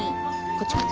こっちこっち。